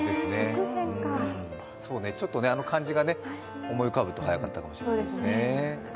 ちょっと、あの漢字が思い浮かぶと早かったかもしれないですね。